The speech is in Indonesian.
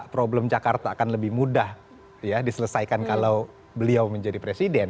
problem jakarta akan lebih mudah ya diselesaikan kalau beliau menjadi presiden